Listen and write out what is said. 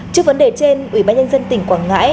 trước vấn đề trên ủy ban nhân dân tỉnh quảng ngãi